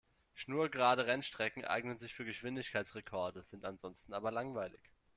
Schnurgerade Rennstrecken eignen sich für Geschwindigkeitsrekorde, sind ansonsten aber langweilig.